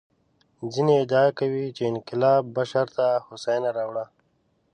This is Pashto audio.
ځینې ادعا کوي چې انقلاب بشر ته هوساینه راوړه.